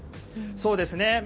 そうですね。